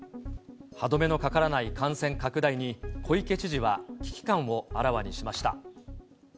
歯止めのかからない感染拡大に、小池知事は危機感をあらわにしました。